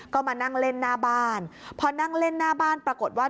ก็มานั่งเล่นหน้าบ้านพอนั่งเล่นหน้าบ้านปรากฏว่า